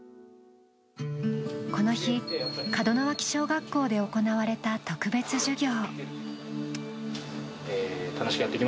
この日、門脇小学校で行われた特別授業。